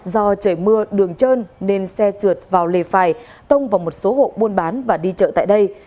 do trời mưa đường trơn nên xe trượt vào lề phải tông vào một số hộ buôn bán và đi chợ tại đây